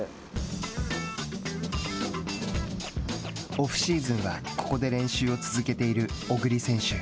オフシーズンは、ここで練習を続けている小栗選手。